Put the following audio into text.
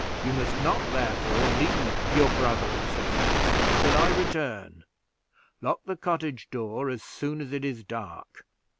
You must not, therefore, leave your brother and sisters till I return. Lock the cottage door as soon as it is dark.